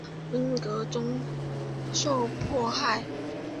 文革中受迫害。